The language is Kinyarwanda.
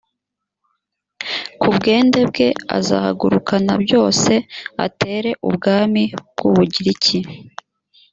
ku bwende bwe azahagurukana byose atere ubwami bw u bugiriki